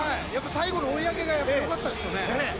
最後の追い上げが良かったです。